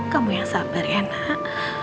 kamu yang sabar ya nak